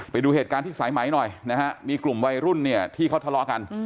ไปดูเหตุการณ์ที่สายไหมหน่อยนะฮะมีกลุ่มวัยรุ่นเนี่ยที่เขาทะเลาะกัน